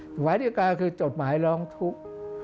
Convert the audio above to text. หมายที่การคือจดหมายร้องทุกข์